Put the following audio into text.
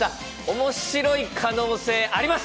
面白い可能性あります。